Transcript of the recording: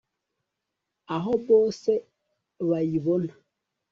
aho bose bayibona